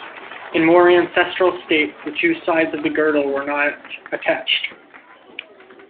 In more ancestral states the two sides of the girdle were not attached.